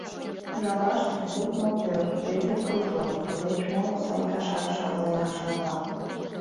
Яллаште лудмо пӧрт, тӱрлӧ кружок, тулеч моло сай кашак шарленак шарла.